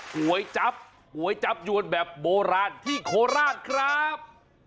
ก๋วยจับก๋วยจับยวนแบบโบราณที่โคราชครับ